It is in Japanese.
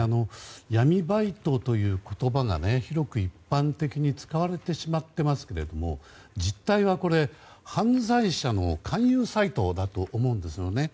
闇バイトという言葉が広く一般的に使われてしまっていますけれども実態は犯罪者の勧誘サイトだと思うんですよね。